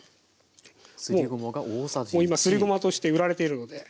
もう今すりごまとして売られているので。